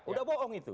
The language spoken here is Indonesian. sudah bohong itu